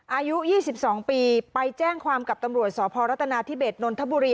อายุยี่สิบสองปีไปแจ้งความกับตำรวจสรัฐนาธิเบชนนทบุรี